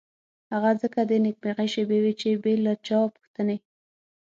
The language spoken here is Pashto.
هغه ځکه د نېکمرغۍ شېبې وې چې بې له چا پوښتنې.